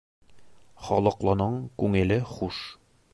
Холоҡлоноң күңеле хуш.